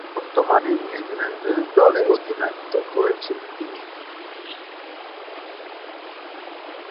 বর্তমানে নিউজিল্যান্ড দলের অধিনায়কত্ব করছেন তিনি।